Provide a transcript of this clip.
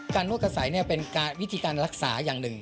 นวดกระใสเป็นวิธีการรักษาอย่างหนึ่ง